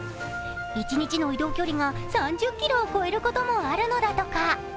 一日の移動距離が３０ｋｍを超えることもあるのだとか。